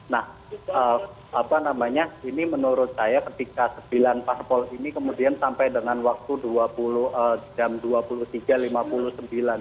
nah apa namanya ini menurut saya ketika sembilan parpol ini kemudian sampai dengan waktu jam dua puluh tiga lima puluh sembilan